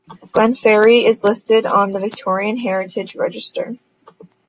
Glenferrie is listed on the Victorian Heritage Register.